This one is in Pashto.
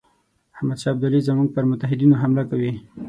احمدشاه ابدالي زموږ پر متحدینو حمله کوي.